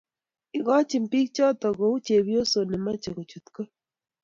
igonyi biik choto kuu chepyoso ne mache kochut go